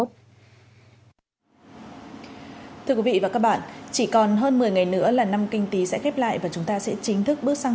thưa quý vị và các bạn chỉ còn hơn một mươi ngày nữa là năm kinh tế sẽ khép lại và chúng ta sẽ chính thức bước sang